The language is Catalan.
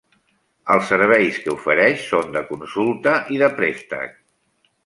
Els serveis que ofereix són de consulta i de préstec.